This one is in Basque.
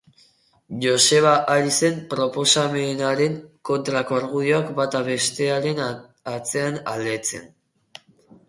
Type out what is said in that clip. Joseba ari zen proposamenaren kontrako argudioak bata bestearen atzean aletzen.